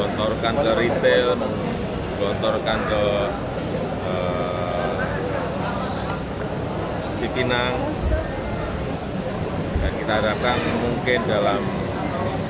jokowi menekankan stok beras dalam negeri masih cukup yakni dua juta ton beras lagi untuk memastikan ketersediaan beras di dalam negeri